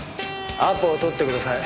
アポを取ってください。